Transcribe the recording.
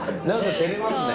照れますね。